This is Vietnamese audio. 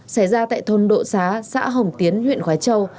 xảy ra tại thôn độ xá xã hồng tiến huyện khói châu